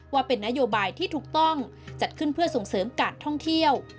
ว่าเป็นนโยบายที่ถูกต้องจัดขึ้นเพื่อส่งเสริมการท่องเที่ยว